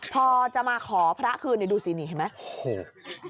พอจะมาขอพระคืนดูสินี่เห็นไหม